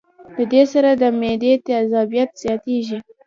د دې سره د معدې تېزابيت زياتيږي